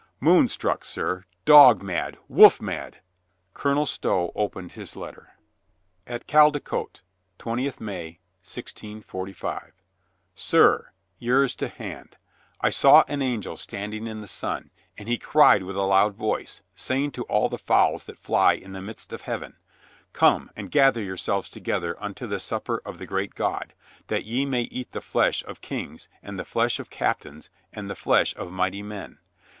"Moon struck, sir. Dog mad. Wolf mad." Colonel Stow opened his letter. At Caldecote, 20th May, 1645. Sir — Yours to hand. I saw an angel standing in the sun, and he cried with a loud voice, saying to all the fowls that fly in the midst of heaven, "Come and gather yourselves together unto the sup per of the great God, that ye may eat the flesh of COLONEL STOW IS SHOWN HIS DUTY 301 Kings and the flesh of captains and the flesh of mighty men."